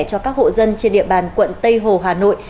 cho các hộ dân trên địa bàn quận tây hồ hà nội